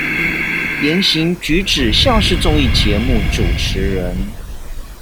言行舉止像是綜藝節目主持人